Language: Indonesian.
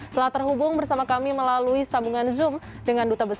telah terhubung bersama kami melalui sambungan zoom dengan duta besar